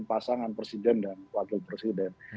pasangan presiden dan wakil presiden